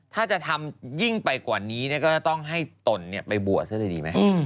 ถ้าจะทำยิ่งไปกว่านี้เนี่ยก็จะต้องให้ตนเนี่ยไปบวชด้วยดีไหม